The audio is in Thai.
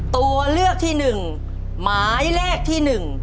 ตัวเลือกที่หนึ่งหมายเลขที่หนึ่ง